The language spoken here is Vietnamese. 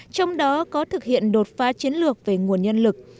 trong đó có thực hiện đột phá chiến lược về nguồn nhân lực